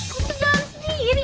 tuh jangan sendiri